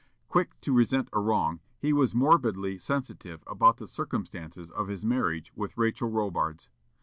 Quick to resent a wrong, he was morbidly sensitive about the circumstances of his marriage with Rachel Robards.